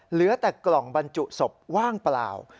เหลือแต่กล่องบรรจุศพว่างเปล่า